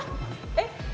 えっ？